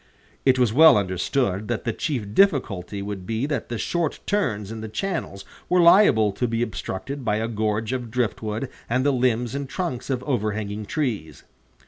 It was well understood that the chief difficulty would be that the short turns in the channels were liable to be obstructed by a gorge of driftwood and the limbs and trunks of overhanging trees.